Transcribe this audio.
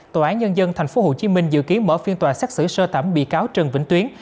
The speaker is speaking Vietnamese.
tòa án nhân dân tp hcm dự kiến mở phiên tòa xét xử sơ thẩm bị cáo trần vĩnh tuyến